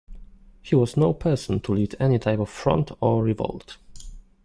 He was no person to lead any type of front or revolt.